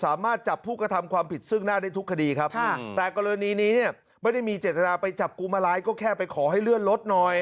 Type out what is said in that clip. สามารถจับผู้กระทำความผิดซึ่งหน้าได้ทุกคดีครับแต่กรณีนี้เนี่ยไม่ได้มีเจตนาไปจับกลุ่มอะไรก็แค่ไปขอให้เลื่อนรถหน่อย